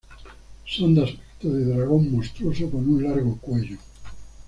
Son de aspecto de dragón monstruoso con un largo cuello.